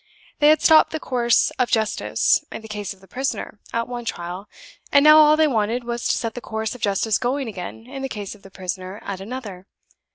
They had stopped the course of justice, in the case of the prisoner, at one trial; and now all they wanted was to set the course of justice going again, in the case of the prisoner, at another!